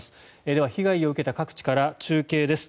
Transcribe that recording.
では、被害を受けた各地から中継です。